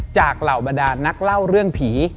เหล่าบรรดานักเล่าเรื่องผี